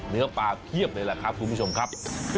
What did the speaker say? เนื้อปลาเพียบเลยแหละครับคุณผู้ชมครับ